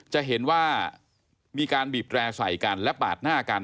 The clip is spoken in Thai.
จะเห็นว่ามีการบีบแร่ใส่กันและปาดหน้ากัน